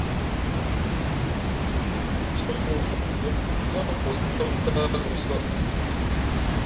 Píé mά wū mfen mbʉ́ά yáá nkōsī mbát mᾱ ndáh lʉ̄ nsάʼ.